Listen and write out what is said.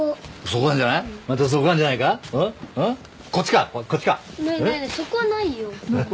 そこはないよ。